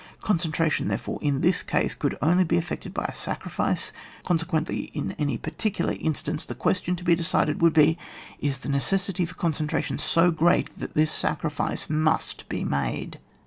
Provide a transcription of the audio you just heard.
Concentration, therefore, in this case, could only be effected by a sacrifice ; consequently in any particular instance, the question to be decided would be. Is the necessity for concentration so great that this sacrifice must be made